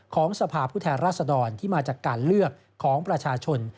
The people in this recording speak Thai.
ของสภาพุทธรรษดรที่มาจากการเลือกของประชาชน